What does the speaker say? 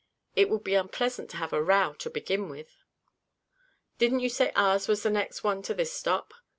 "It would be unpleasant to have a row to begin with." "Didn't you say ours was the next one to this stop?"